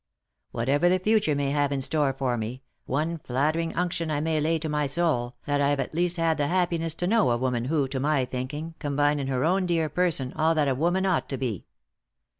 Whatever the future may have in store for me, one flattering unction I may lay to my soul, that I've at least bad the happiness to know a woman who, to my thinking, combined in her own dear person all that a woman ought to be.